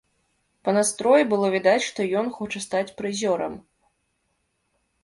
Па настроі было відаць, што ён хоча стаць прызёрам.